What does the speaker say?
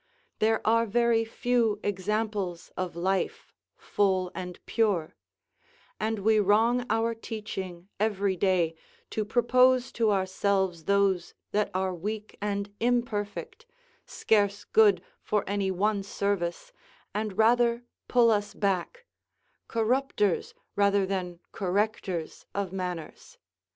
There are very few examples of life, full and pure; and we wrong our teaching every day, to propose to ourselves those that are weak and imperfect, scarce good for any one service, and rather pull us back; corrupters rather than correctors of manners.